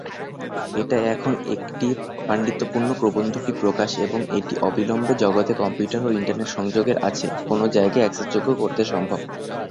এটা এখন একটি পাণ্ডিত্যপূর্ণ প্রবন্ধটি প্রকাশ "এবং" এটি অবিলম্বে জগতে কম্পিউটার ও ইন্টারনেট সংযোগের আছে কোন জায়গায় অ্যাক্সেসযোগ্য করতে সম্ভব।